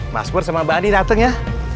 mas pur sama mbak ani dateng ya